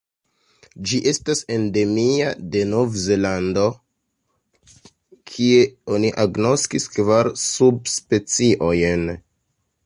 Ĝi estas endemia de Novzelando, kie oni agnoskis kvar subspeciojn.